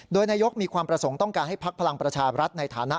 โดยนายกมีความประสงค์ต้องการให้พักพลังประชาบรัฐในฐานะ